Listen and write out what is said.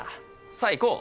さあ行こう！